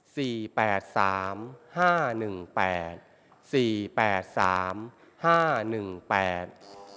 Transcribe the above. แปดสามห้าหนึ่งแปดสี่แปดสามห้าหนึ่งแปด